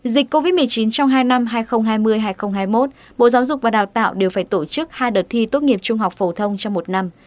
dịch covid một mươi chín trong hai năm hai nghìn hai mươi hai nghìn hai mươi một bộ giáo dục và đào tạo đều phải tổ chức hai đợt thi tốt nghiệp trung học phổ thông trong một năm